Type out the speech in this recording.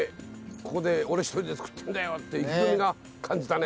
ここで俺一人で作ってんだよって意気込みが感じたね。